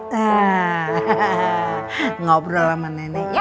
nah ngobrol sama nenek ya